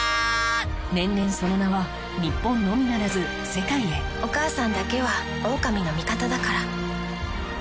年々その名は日本のみならず世界へお母さんだけはおおかみの味方だから。